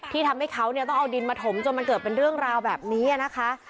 ทำให้เขาต้องเอาดินมาถมจนมันเกิดเป็นเรื่องราวแบบนี้นะคะ